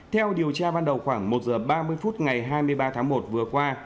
theo điều tra ban đầu khoảng một giờ ba mươi phút ngày hai mươi ba tháng một vừa qua